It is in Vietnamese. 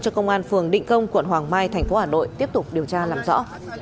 cho công an phường định công quận hoàng mai thành phố hà nội tiếp tục điều tra làm rõ